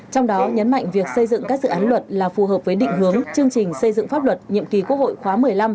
trong đó nhấn mạnh việc xây dựng các dự án luật là phù hợp với định hướng chương trình xây dựng pháp luật nhiệm kỳ quốc hội khóa một mươi năm